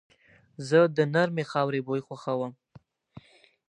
زه د نرمې خاورې بوی خوښوم.